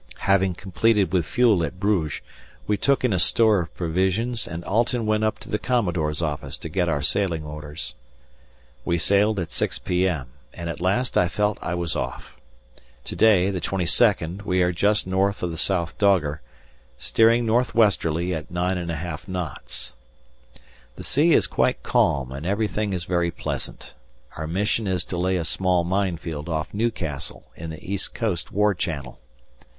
Having completed with fuel at Bruges, we took in a store of provisions and Alten went up to the Commodore's office to get our sailing orders. We sailed at 6 p.m. and at last I felt I was off. To day, the 22nd, we are just north of the South Dogger, steering north westerly at 9 1/2 knots. The sea is quite calm and everything is very pleasant. Our mission is to lay a small minefield off Newcastle in the East Coast war channel.